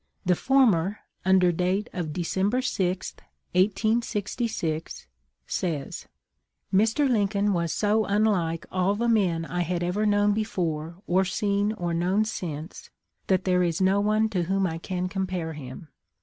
The former, under date of December 6, 1866, says: " Mr. Lincoln was so unlike all the men I had ever known before or seen or known since that there is no one to whom I can compare him.